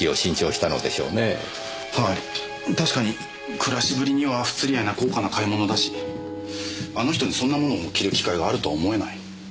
確かに暮らしぶりには不釣り合いな高価な買い物だしあの人にそんなものを着る機会があるとは思えない。